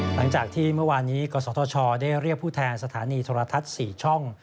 หลังจากที่เมื่อวานนี้กศธชได้เรียกผู้แทนสถานีโทรทัศน์๔ช่อง